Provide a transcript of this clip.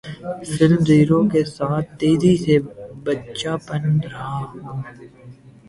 film zero کے ساتھ تیزی سے بچہ بن رہا ہوں